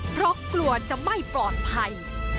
เพราะกลัวจะไม่ปลอดภัย